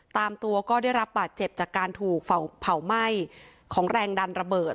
ตามตัวก็ได้รับบาดเจ็บจากการถูกเผาไหม้ของแรงดันระเบิด